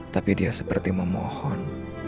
tapi dia seperti memohon